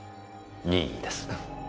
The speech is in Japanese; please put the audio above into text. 任意です。